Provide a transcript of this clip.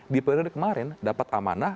di periode kemarin dapat amanah